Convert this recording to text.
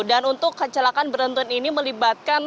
dan untuk kecelakaan beruntun ini melibatkan